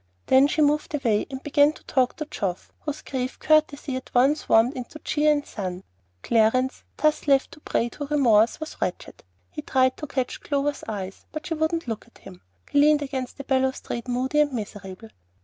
Then she moved away, and began to talk to Geoff, whose grave courtesy at once warmed into cheer and sun. Clarence, thus left a prey to remorse, was wretched. He tried to catch Clover's eye, but she wouldn't look at him. He leaned against the balustrade moody and miserable.